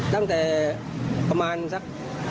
ตั้งแต่ประมาณสัก